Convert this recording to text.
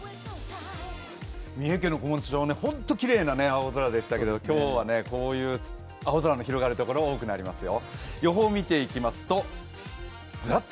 三重県、本当にきれいな青空でしたけども、今日は青空の広がるところが多くなりますよ。